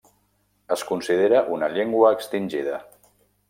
Es considera una llengua extingida.